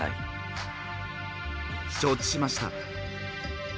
承知しました。